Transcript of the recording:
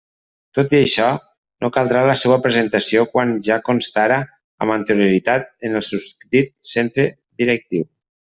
Tot i això, no caldrà la seua presentació quan ja constara amb anterioritat en el susdit centre directiu.